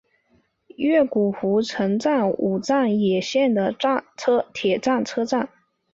越谷湖城站武藏野线的铁路车站。